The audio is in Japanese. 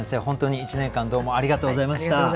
本当に一年間どうもありがとうございました。